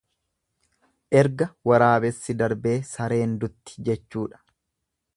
Erga waraabessi darbee sareen dutti jechuudha.